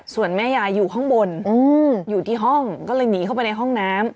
ส่วนแม่ยายอยู่ข้างบนอยู่ที่ห้องก็เลยหนีเข้าไปในห้องน้ำ